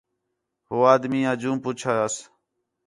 ہو آدمی آجوں پُچھس